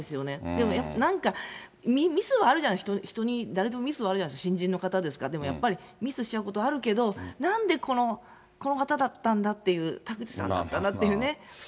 でもやっぱり、なんかミスはあるじゃないですか、人に、誰でもミスはあるじゃないですか、新人の方ですから、でもやっぱりミスしちゃうことはあるけど、なんでこの方だったんだっていう、田口さんだったんだっていうね。